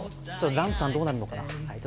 ランさん、どうなるのかな？